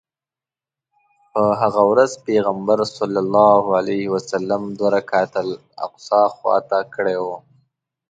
په هغه ورځ پیغمبر صلی الله علیه وسلم دوه رکعته الاقصی خواته کړی و.